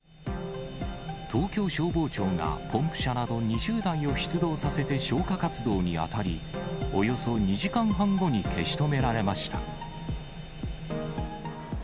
東京消防庁が、ポンプ車など２０台を出動させて消火活動に当たり、およそ２時間半後に消し止